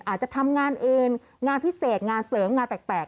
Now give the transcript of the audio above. อาจจะทำงานเองงานพิเศษงานเสริมงานแปลก